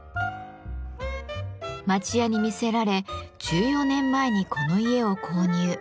町家に魅せられ１４年前にこの家を購入。